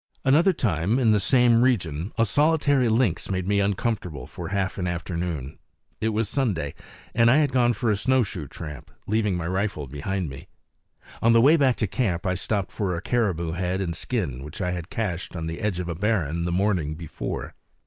Another time, in the same region, a solitary lynx made me uncomfortable for half an afternoon. It was Sunday, and I had gone for a snowshoe tramp, leaving my rifle behind me. On the way back to camp I stopped for a caribou head and skin, which I had cached on the edge of a barren the morning before.